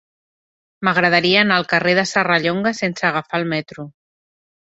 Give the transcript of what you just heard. M'agradaria anar al carrer de Serrallonga sense agafar el metro.